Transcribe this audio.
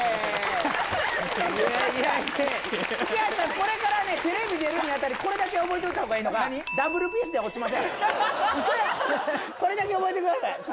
これからねテレビ出るにあたりこれだけ覚えておいたほうがいいのがウソやんこれだけ覚えてください